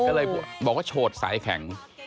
ก็เลยบอกว่าโฉดสายแข็ง